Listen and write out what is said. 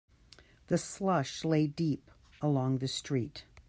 The slush lay deep along the street.